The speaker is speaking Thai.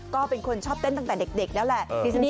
ก็เป็นคนชอบเต้นตั้งแต่เด็กแล้วแหละ